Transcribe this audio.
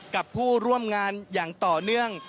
กับผู้ร่วมงานอย่างต่อเนื่อง